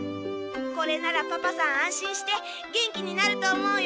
これならパパさん安心して元気になると思うよ。